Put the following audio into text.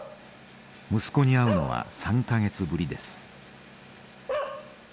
息子に会うのは３か月ぶりです。